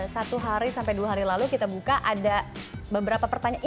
satu hari sampai dua hari lalu kita buka ada beberapa pertanyaan